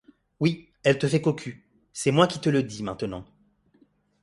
Oui, elle te fait cocu; c'est moi qui te le dis, maintenant.